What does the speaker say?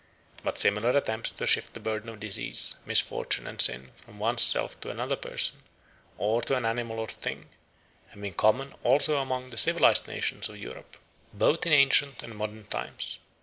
But similar attempts to shift the burden of disease, misfortune, and sin from one's self to another person, or to an animal or thing, have been common also among the civilised nations of Europe, both in ancient and modern times.